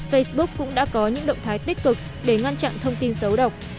facebook cũng đã có những động thái tích cực để ngăn chặn thông tin xấu độc